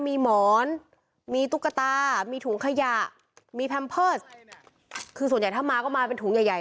มีหมอนมีตุ๊กตามีถุงขยะมีแพมเพิร์สคือส่วนใหญ่ถ้ามาก็มาเป็นถุงใหญ่ใหญ่